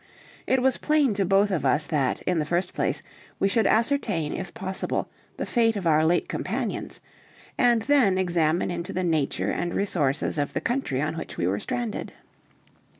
It was plain to both of us that, in the first place, we should ascertain if possible the fate of our late companions, and then examine into the nature and resources of the country on which we were stranded.